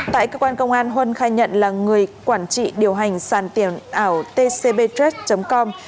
tại cơ quan công an huân khai nhận là người quản trị điều hành sàn tiền ảo tcbtrex com